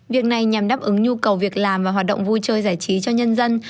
việc này nhằm đáp ứng nhu cầu việc làm và hoạt động vui chơi giải trí cho nhân dân